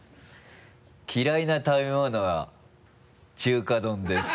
嫌いな食べ物は中華丼です。